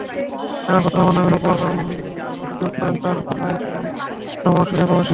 আরাফাত রহমান নামের অপর একজন অভিযোগ করেন, তাঁর ভাই সুমন রহমান অস্ট্রেলিয়াপ্রবাসী।